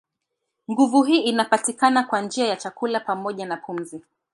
Nguvu hii inapatikana kwa njia ya chakula pamoja na pumzi.